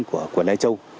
của lai châu